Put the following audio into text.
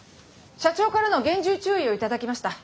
社長からの厳重注意を頂きました。